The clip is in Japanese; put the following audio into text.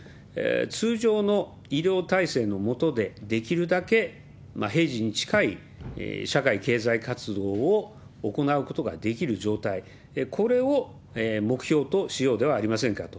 通常の医療体制の下でできるだけ平時に近い社会経済活動を行うことができる状態、これを目標としようではありませんかと。